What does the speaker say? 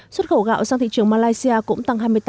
xuất khẩu gạo sang thị trường malaysia cũng tăng hai năm